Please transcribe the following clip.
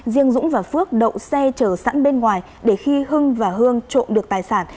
riêng dũng và phước đậu xe chở sẵn bên ngoài để khi hưng và hương trộm được tài sản